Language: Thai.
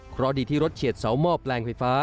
เพราะดีที่รถเฉียดเสาหม้อแปลงไฟฟ้า